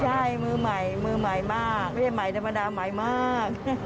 ใช่มือใหม่มือใหม่มากไม่ใช่ใหม่ธรรมดาใหม่มาก